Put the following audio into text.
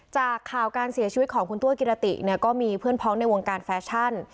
จากข่าวการเสียชีวิตของคุณตัวกิรติเนี่ยก็มีเพื่อนพ้องในวงการแฟชั่น